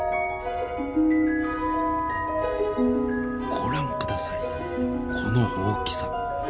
ご覧下さいこの大きさ。